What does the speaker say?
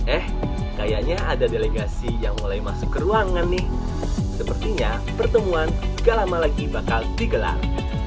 eh kayaknya ada delegasi yang mulai masuk ke ruangan nih sepertinya pertemuan gak lama lagi bakal digelar